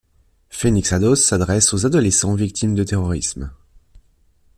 Phoenix Ados s’adresse aux adolescents victimes de terrorisme.